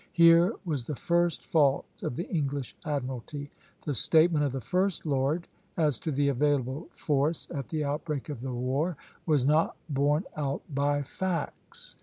Here was the first fault of the English admiralty; the statement of the First Lord as to the available force at the outbreak of the war was not borne out by facts.